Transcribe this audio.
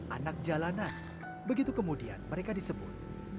anak jalanan begitu kemudian mereka disebut